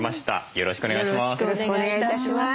よろしくお願いします。